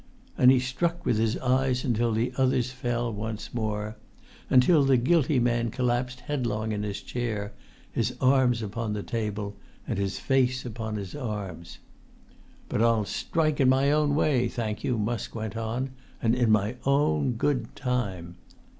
And he struck with his eyes until the other's fell once more; until the guilty man collapsed headlong in his chair, his arms upon the table, and his face upon his arms. "But I'll strike in my own way, thank you," Musk went on, "and in my own good time.